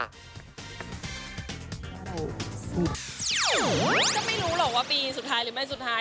ก็ไม่รู้หรอกว่าปีสุดท้ายหรือไม่สุดท้าย